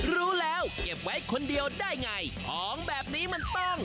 รู้แล้วบอกตอบครับ